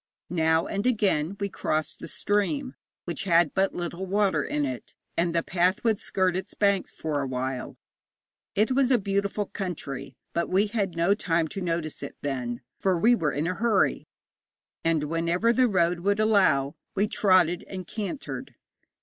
Now and again we crossed the stream, which had but little water in it, and the path would skirt its banks for awhile. It was beautiful country, but we had no time to notice it then, for we were in a hurry, and whenever the road would allow we trotted and cantered.